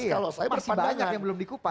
iya masih banyak yang belum dikupas